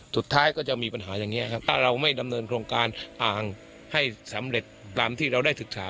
สุดท้ายก็จะมีปัญหาอย่างนี้ครับถ้าเราไม่ดำเนินโครงการอ่างให้สำเร็จตามที่เราได้ศึกษา